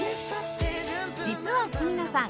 実は角野さん